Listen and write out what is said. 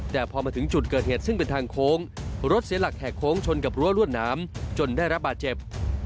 แต่พอมาถึงจุดเกิดเหตุซึ่งเป็นทางโค้งรถเสียหลักแห่โค้งชนกับรั้วรวดน้ำจนได้รับบาดเจ็บ